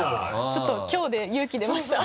ちょっときょうで勇気出ました。